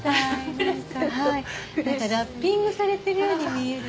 ラッピングされてるように見える。